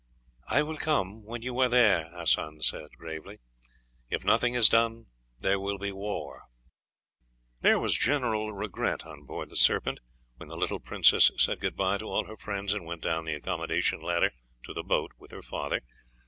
"I will come when you are there," Hassan said gravely. "If nothing is done, there will be war." There was general regret on board the Serpent when the little princess said goodby to all her friends and went down the accommodation ladder to the boat with her father.